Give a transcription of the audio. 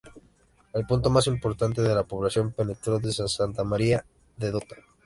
El punto más importante de población penetró desde Santa María de Dota.